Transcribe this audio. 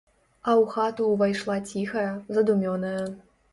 А ў хату ўвайшла ціхая, задумёная.